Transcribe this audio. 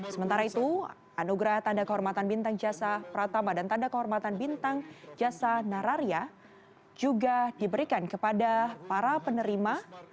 sementara itu anugerah tanda kehormatan bintang jasa pratama dan tanda kehormatan bintang jasa nararia juga diberikan kepada para penerima